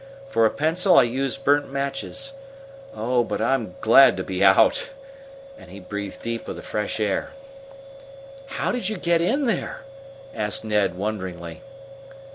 For a pencil I used burnt matches. Oh, but I'm glad to be out!" and he breathed deep of the fresh air. "How did you get in there?" asked Ned wonderingly.